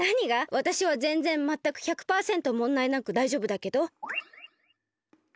わたしはぜんぜんまったく１００パーセントもんだいなくだいじょうぶだけど。